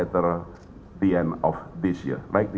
tidak kemudian di akhir tahun ini